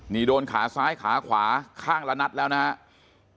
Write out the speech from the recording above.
นี่โดนขาซ้ายขาขวาข้างละนัดแล้วนะครับ